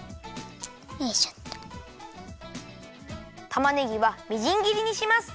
たまねぎはみじんぎりにします。